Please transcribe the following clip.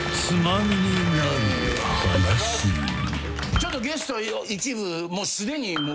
ちょっとゲスト一部。